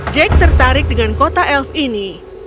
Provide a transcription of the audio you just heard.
jake tertarik dengan kota elf ini